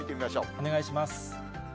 お願いします。